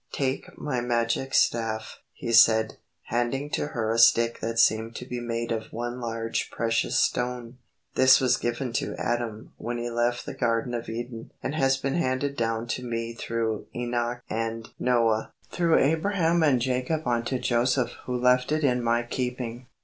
"Take my magic staff," he said, handing to her a stick that seemed to be made of one large precious stone. "This was given to Adam when he left the Garden of Eden and has been handed down to me through Enoch and Noah, through Abraham and Jacob unto Joseph who left it in my keeping.